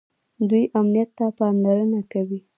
دوی امنیت ته پاملرنه کوي.